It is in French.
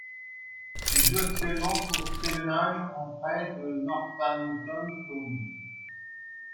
Il joue actuellement pour Stevenage en prêt de Northampton Town.